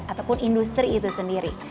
ataupun industri itu sendiri